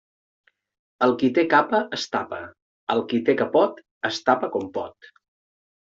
El qui té capa es tapa; el qui té capot es tapa com pot.